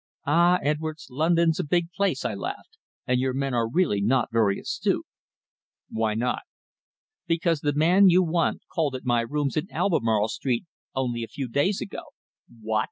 "Ah, Edwards, London's a big place," I laughed, "and your men are really not very astute." "Why not?" "Because the man you want called at my rooms in Albemarle Street only a few days ago." "What?"